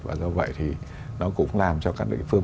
và do vậy thì nó cũng làm cho các địa phương